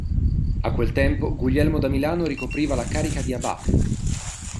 A quel tempo, Guglielmo da Milano ricopriva la carica di abate.